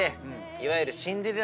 いわゆる。